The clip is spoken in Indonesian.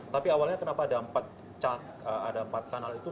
tapi awalnya kenapa ada empat kanal itu